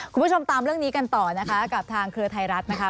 คุณผู้ชมตามเรื่องนี้กันต่อนะคะกับทางเครือไทยรัฐนะคะ